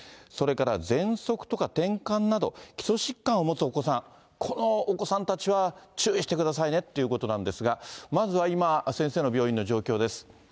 それからぜんそくとかてんかんなど、基礎疾患を持つお子さん、このお子さんたちは注意してくださいねっていうことなんですが、まずは今、先生の病院の状況です。